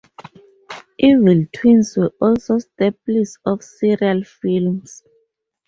Evil twins were also staples of serial films.